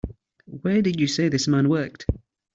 Where did you say this man worked?